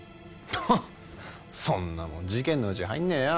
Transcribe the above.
ハッそんなもん事件のうちに入んねえよ。